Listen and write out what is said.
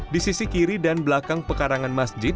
di sisi kiri dan belakang pekarangan masjid